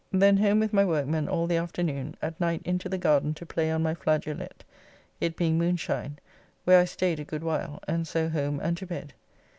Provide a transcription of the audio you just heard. ] Then home with my workmen all the afternoon, at night into the garden to play on my flageolette, it being moonshine, where I staid a good while, and so home and to bed.